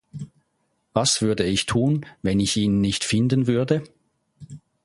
Was würde ich tun, wenn ich ihn nicht finden würde?